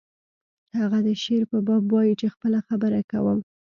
هغه د شعر په باب وایی چې خپله خبره کوم